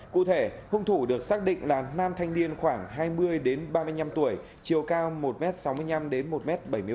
cụ thể hung thủ được xác định là nam thanh niên khoảng hai mươi ba mươi năm tuổi chiều cao một m sáu mươi năm đến một m bảy mươi m